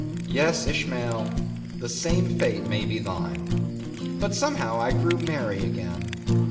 Yes, Ishmael, the same fate may be thine. But somehow I grew merry again.